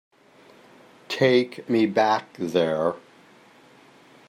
Take me back there.